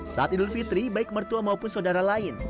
saat idul fitri baik mertua maupun saudara lain